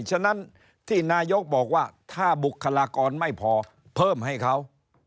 ฉะนั้นที่นายกบอกว่าถ้าบุคลากรไม่พอเพิ่มให้เขา